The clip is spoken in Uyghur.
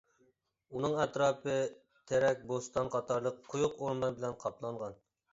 ئۇنىڭ ئەتراپى ‹ ‹تېرەك بوستان› › قاتارلىق قويۇق ئورمان بىلەن قاپلانغان.